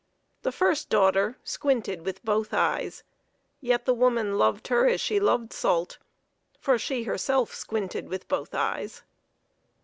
The first daughter squinted with both eyes, yet the woman loved her as she loved salt, for she herself squinted with both eyes.